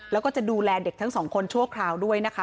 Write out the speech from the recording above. แล้วก็จะดูแลเด็กทั้งสองคนชั่วคราวด้วยนะคะ